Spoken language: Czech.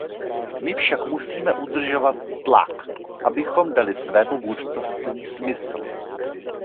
My však musíme udržovat tlak, abychom dali svému vůdcovství smysl.